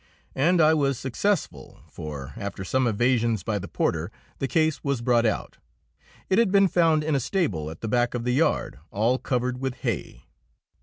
And I was successful, for, after some evasions by the porter, the case was brought out. It had been found in a stable at the back of the yard, all covered with hay.